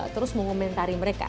terus mengomentari mereka